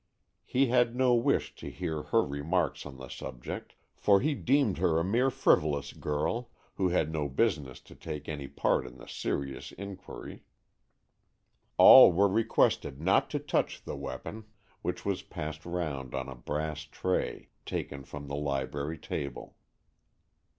He had no wish to hear her remarks on the subject, for he deemed her a mere frivolous girl, who had no business to take any part in the serious inquiry. All were requested not to touch the weapon, which was passed round on a brass tray taken from the library table.